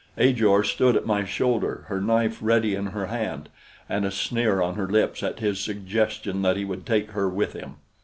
Ajor stood at my shoulder, her knife ready in her hand and a sneer on her lips at his suggestion that he would take her with him.